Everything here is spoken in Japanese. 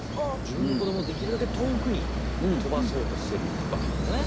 じぶんのこどもできるだけとおくにとばそうとしてるわけなんだね。